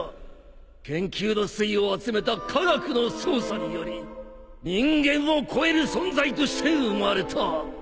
研究の粋を集めた科学の操作により人間を超える存在として生まれた